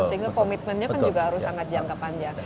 sehingga komitmennya kan juga harus sangat jangka panjang